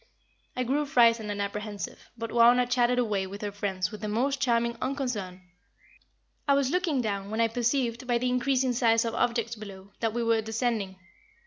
I grew frightened and apprehensive, but Wauna chatted away with her friends with the most charming unconcern. I was looking down, when I perceived, by the increasing size of objects below, that we were descending.